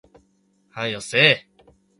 早よせえ